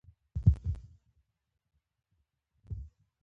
د شېخ تیمن شعر په زړه پوري پښتو آهنګ وزن لري.